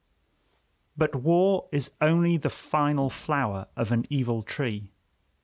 But war is only the final flower of an evil tree.